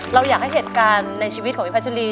เราอยากให้เหตุการณ์ในชีวิตของพี่พัชรี